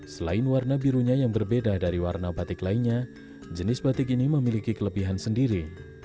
selain warna birunya yang berbeda dari warna batik lainnya jenis batik ini memiliki kelebihan sendiri